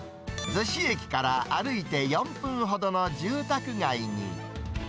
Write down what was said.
逗子駅から歩いて４分ほどの住宅街に。